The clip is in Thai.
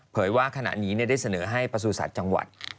ว่าขณะนี้ได้เสนอให้ประสูจัตว์จังหวัด